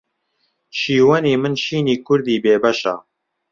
شیوەنی من شینی کوردی بێ بەشە